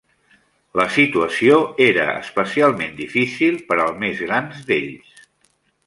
La situació era especialment difícil per als més grans d'ells.